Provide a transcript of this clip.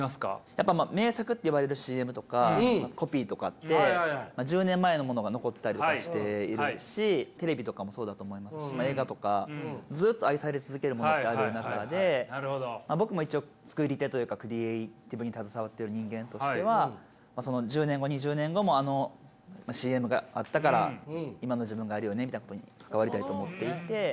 やっぱ名作っていわれるＣＭとかコピーとかって１０年前のものが残っていたりとかしているしテレビとかもそうだと思いますしまあ映画とかずっと愛され続けるものってある中で僕も一応作り手というかクリエーティブに携わっている人間としてはその１０年後２０年後もあのＣＭがあったから今の自分があるよねみたいなことに関わりたいと思っていて。